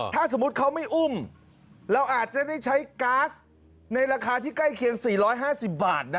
ถ้าสมมุติเขาไม่อุ้มเราอาจจะได้ใช้ก๊าซในราคาที่ใกล้เคียง๔๕๐บาทนะ